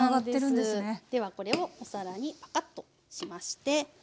ではこれをお皿にパカッとしまして。